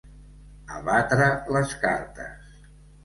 Abatre les cartes.